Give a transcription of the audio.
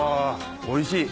おいしい。